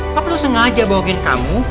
pak a terus sengaja bawakin kamu